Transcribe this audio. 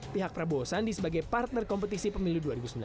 pihak prabowo sandi sebagai partner kompetisi pemilu dua ribu sembilan belas